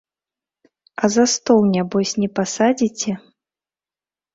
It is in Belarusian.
А за стол нябось не пасадзіце?